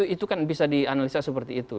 itu kan bisa dianalisa seperti itu